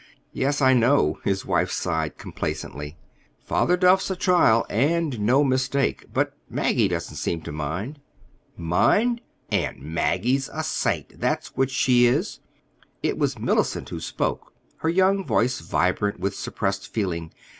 "Yes, I know." His wife sighed complacently. "Father Duff's a trial, and no mistake. But Maggie doesn't seem to mind." "Mind! Aunt Maggie's a saint—that's what she is!" It was Mellicent who spoke, her young voice vibrant with suppressed feeling.